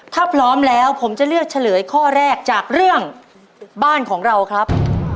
ถ้าพร้อมแล้วผมจะเลือกเฉลยข้อแรกจากเรื่องบ้านของเราครับ